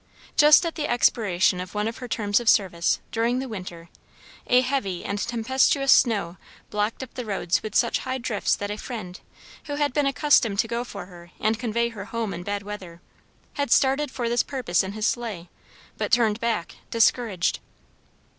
Just at the expiration of one of her terms of service, during the winter, a heavy and tempestuous snow blocked up the roads with such high drifts that a friend, who had been accustomed to go for her and convey her home in bad weather, had started for this purpose in his sleigh, but turned back, discouraged.